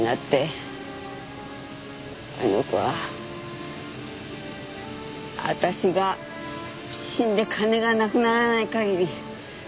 あの子は私が死んで金がなくならない限り出てこないだろう。